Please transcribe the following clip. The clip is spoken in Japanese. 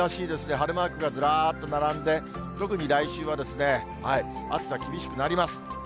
晴れマークがずらーっと並んで、特に来週は暑さ厳しくなります。